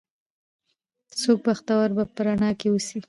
څوک بختوره به په رڼا کې اوسي